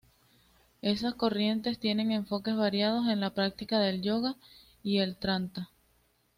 Esas corrientes tienen enfoques variados en la práctica del yoga y el tantra.